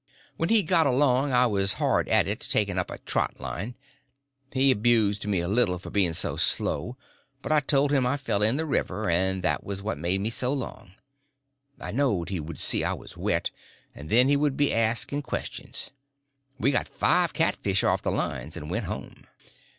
When he got along I was hard at it taking up a "trot" line. He abused me a little for being so slow; but I told him I fell in the river, and that was what made me so long. I knowed he would see I was wet, and then he would be asking questions. We got five catfish off the lines and went home.